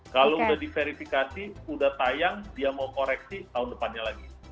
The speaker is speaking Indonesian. kalau sudah diverifikasi sudah tayang dia mau koreksi tahun depannya lagi